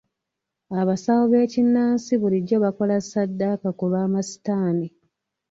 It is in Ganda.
Abasawo b'ekinnansi bulijjo bakola saddaaka ku lw'amasitaani.